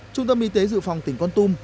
trung tâm y tế dự phòng tỉnh quang tum